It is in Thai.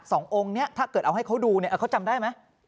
สององค์นี้ถ้าเกิดเอาให้เขาดูเนี่ยเขาจำได้ไหม